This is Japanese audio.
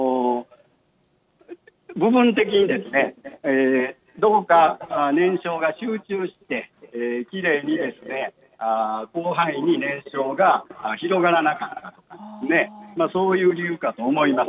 部分的に、どこか燃焼が集中して、きれいに広範囲に燃焼が広がらなかったと、そういう理由かと思います。